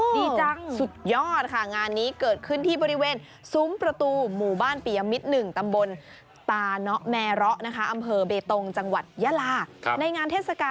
ดีจังสุดยอดค่ะงานนี้เกิดขึ้นที่บริเวณซุ้มประตูหมู่บ้านปียมิตหนึ่งตำบลตาเนาะแมระนะคะ